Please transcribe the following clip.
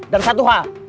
dan satu hal